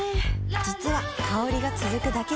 実は香りが続くだけじゃない